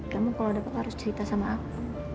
kamu kalau dapat harus cerita sama aku